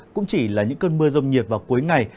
cũng chỉ là những cơn mưa rông nhiệt vào cuối ngày